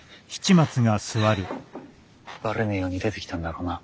ばれねえように出てきたんだろうな？